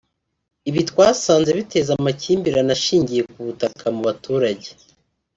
ibi twasanze biteza amakimbirane ashingiye ku butaka mu baturage